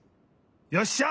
よっしゃ！